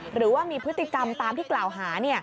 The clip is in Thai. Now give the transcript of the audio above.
หรือว่ามีพฤติกรรมตามที่กล่าวหา